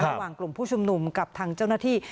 ระหว่างกลุ่มผู้ชุมนุมกับทางเจ้าหน้าที่